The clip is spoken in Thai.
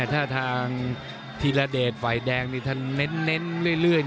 ท่าทางธีระเดชไฟแดงเน็นเรื่อย